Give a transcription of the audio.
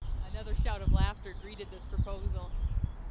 Another shout of laughter greeted this proposal.